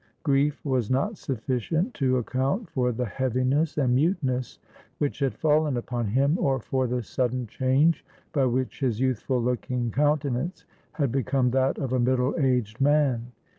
Grief was not sufficient to account for the heaviness and muteness which had fallen upon him, or for the sudden change by which his youthful looking countenance had become that of a middle aged man.